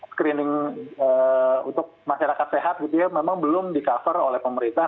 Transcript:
screening untuk masyarakat sehat gitu ya memang belum di cover oleh pemerintah